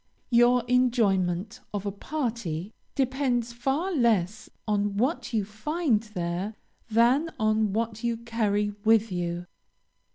Your enjoyment of a party depends far less on what you find there, than on what you carry with you.